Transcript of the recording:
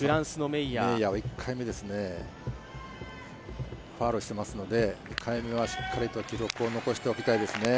メイヤーはファイルしていますので、２回目はしっかりと記録を残しておきたいですね。